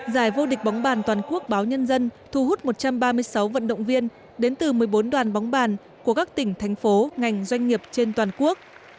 giải vô địch bóng bàn toàn quốc báo nhân dân thu hút một trăm ba mươi sáu vận động viên đến từ một mươi bốn đoàn bóng bàn của các tỉnh thành phố ngành doanh nghiệp trên toàn quốc